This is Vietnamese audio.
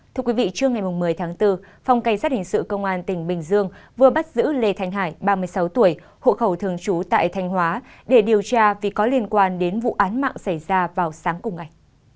thưa quý vị trưa ngày một mươi tháng bốn phòng cảnh sát hình sự công an tỉnh bình dương vừa bắt giữ lê thanh hải ba mươi sáu tuổi hộ khẩu thường trú tại thanh hóa để điều tra vì có liên quan đến vụ án mạng xảy ra vào sáng cùng ngày